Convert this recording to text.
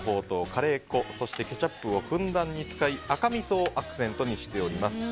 カレー粉そしてケチャップをふんだんに使い赤みそをアクセントにしています。